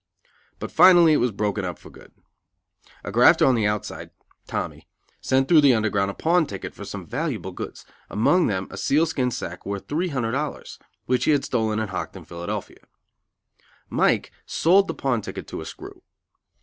But finally it was broken up for good. A grafter on the outside, Tommy, sent through the Underground a pawn ticket for some valuable goods, among them a sealskin sacque worth three hundred dollars, which he had stolen and hocked in Philadelphia. Mike sold the pawn ticket to a screw.